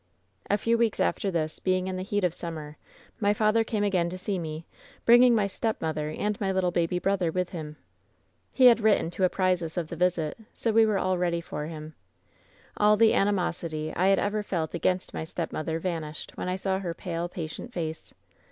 "A few weeks after this, being in the heat of summer, my father came again to see me, bringing my stepmother and my little baby brother with him. "He had written to apprise us of the visit, so we were all ready for him. All the animosity I had ever felt against my stepmother vanished when I saw her pale, patient face.